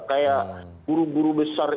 kayak buru buru besar